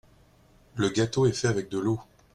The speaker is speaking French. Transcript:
Le gâteau est fait avec de l’eau.